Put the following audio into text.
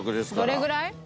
どれぐらい？